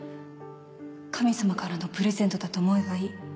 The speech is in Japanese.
神様からのプレゼントだと思えばいい。